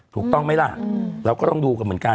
ถูกต้องไหมล่ะเราก็ต้องดูกันเหมือนกัน